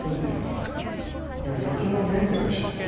いや野球の原点でしょう。